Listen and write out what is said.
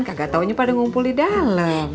kakak taunya pada ngumpul di dalam